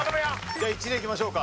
じゃあ１でいきましょうか。